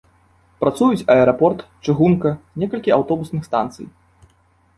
Працуюць аэрапорт, чыгунка, некалькі аўтобусных станцый.